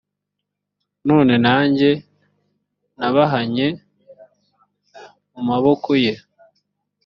none nanjye nabahannye mu maboko ye